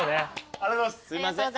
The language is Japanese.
ありがとうございます。